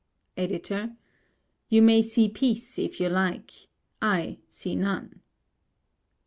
EDITOR: You may see peace if you like; I see none.